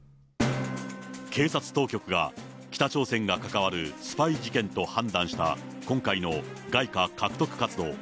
警察当局が北朝鮮が関わるスパイ事件と判断した、今回の外貨獲得活動。